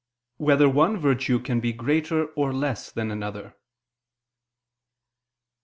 1] Whether One Virtue Can Be Greater or Less Than Another?